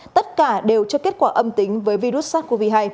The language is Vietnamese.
tất cả đều cho kết quả âm tính với virus sars cov hai